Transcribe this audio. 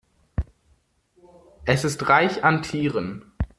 Es ist reich an Tieren.